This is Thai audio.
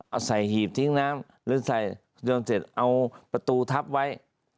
เอาใส่หีบทิ้งน้ำหรือใส่ยนต์เสร็จเอาประตูทับไว้